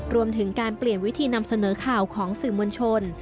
รวมถึงการเปลี่ยนวิธีนำเสนอข่าวของสื่อมวลชน